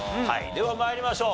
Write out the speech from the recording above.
では参りましょう。